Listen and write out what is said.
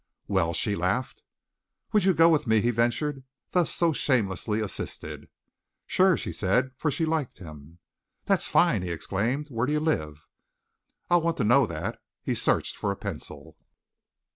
"Well?" she laughed. "Would you go with me?" he ventured, thus so shamelessly assisted. "Sure!" she said, for she liked him. "That's fine!" he exclaimed. "Where do you live? I'll want to know that." He searched for a pencil.